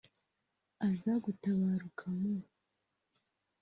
aza gutabaruka mu